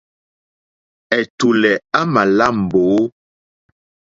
Ɛ̀tùlɛ̀ á mā lá mbǒ.